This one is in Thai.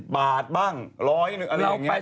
บาทบ้าง๑๐๐อะไรอย่างนี้